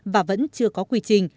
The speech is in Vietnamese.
và vẫn chưa có quy trình